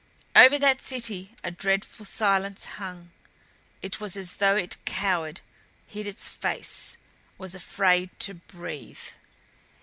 Over that city a dreadful silence hung. It was as though it cowered, hid its face, was afraid to breathe.